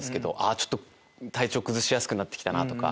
ちょっと体調崩しやすくなって来たなぁとか。